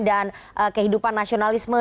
dan kehidupan nasionalisme